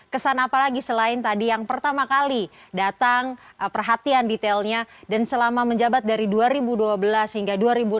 kesan apa lagi selain tadi yang pertama kali datang perhatian detailnya dan selama menjabat dari dua ribu dua belas hingga dua ribu enam belas